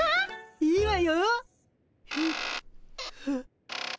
いいわよ。